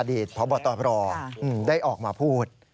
พบตรได้ออกมาพูด